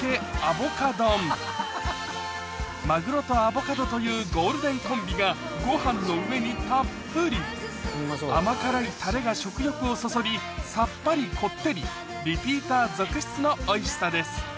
マグロとアボカドというゴールデンコンビがご飯の上にたっぷり甘辛いタレが食欲をそそりさっぱりこってりリピーター続出のおいしさです